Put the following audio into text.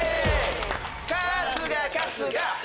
春日春日！